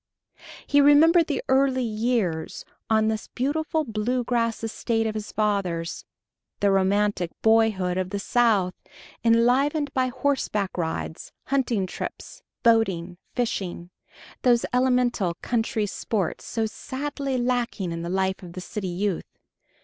He remembered the early years on this beautiful Blue Grass estate of his father's ... the romantic boyhood of the South, enlivened by horseback rides, hunting trips, boating, fishing those elemental country sports so sadly lacking in the life of the city youth